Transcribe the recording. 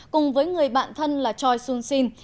cùng với người bạn thân là choi soon sin